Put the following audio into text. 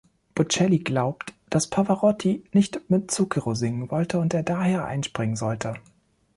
Bocelli glaubt, dass Pavarotti nicht mit Zucchero singen wollte und er daher einspringen sollte.